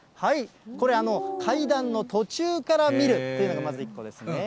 これ、階段の途中から見るっていうのがまず１個ですね。